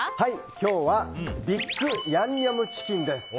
今日はＢＩＧヤンニョムチキンです。